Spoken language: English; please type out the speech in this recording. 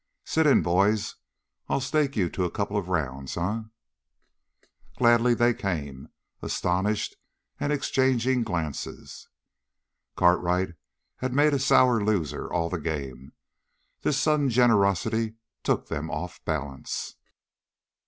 Sit in, boys. I'll stake you to a couple of rounds, eh?" Gladly they came, astonished and exchanging glances. Cartwright had made a sour loser all the game. This sudden generosity took them off balance.